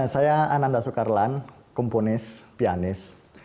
saya ananda soekarlan komponis pianis